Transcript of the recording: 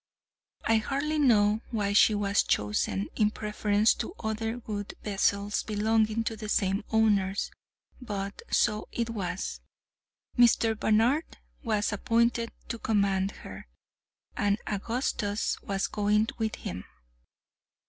I hardly know why she was chosen in preference to other good vessels belonging to the same owners—but so it was. Mr. Barnard was appointed to command her, and Augustus was going with him.